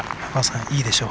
いいでしょう？